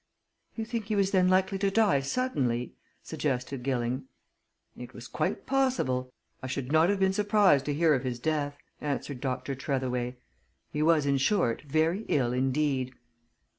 "You think he was then likely to die suddenly?" suggested Gilling. "It was quite possible. I should not have been surprised to hear of his death," answered Dr. Tretheway. "He was, in short, very ill indeed."